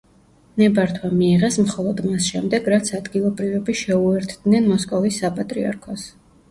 ნებართვა მიიღეს მხოლოდ მას შემდეგ, რაც ადგილობრივები შეუერთდნენ მოსკოვის საპატრიარქოს.